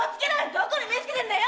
どこに目を付けてんだよ！